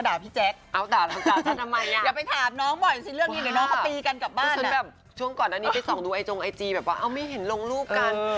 ต่างแบบต้องขอบคุณนักข่าวนะถ้าเป็นอย่างงั้น